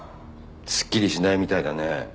すっきりしないみたいだね。